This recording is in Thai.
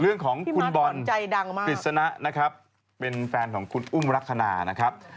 เรื่องของคุณบอลกฤษณะนะครับเป็นแฟนของคุณอุ้มลักษณะนะครับ